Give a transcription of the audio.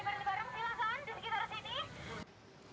berdiri diri bareng silakan di sekitar sini